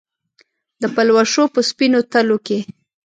د پلوشو په سپینو تلو کې